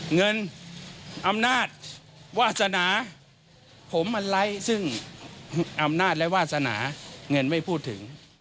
เงินอำนาจวาสนาผมมันไร้ซึ่งอำนาจและวาสนาเงินไม่พูดถึง